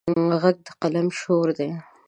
غږ د قلم شور دی